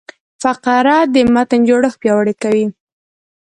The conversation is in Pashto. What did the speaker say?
فقره د متن جوړښت پیاوړی کوي.